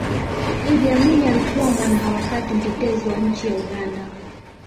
idi amini alikuwa mwanaharakati mtetezi wa nchi ya uganda